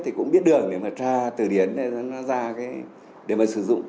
thì cũng biết được để mà ra từ điển ra cái để mà sử dụng